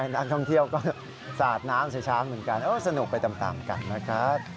นักท่องเที่ยวก็สาดน้ำใส่ช้างเหมือนกันสนุกไปตามกันนะครับ